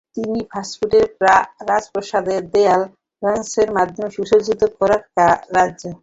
তিনি ফ্রাঙ্কফুর্টের রাজপ্রাসাদের দেয়াল ফ্রেস্কো মাধ্যমে সুসজ্জিত করার কাজ পান।